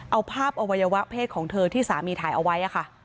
เอาภาพอวัยวะเพศของเธอที่สามีถ่ายเอาไว้ค่ะ